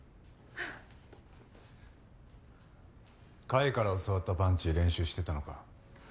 甲斐から教わったパンチ練習してたのか。